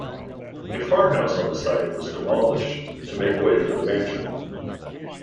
A farmhouse on the site was demolished to make way for the mansion.